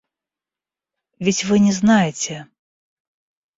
Ведь вы не знаете.